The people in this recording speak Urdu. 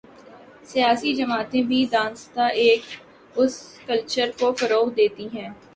سیاسی جماعتیں بھی دانستہ اس کلچرکو فروغ دیتی ہیں۔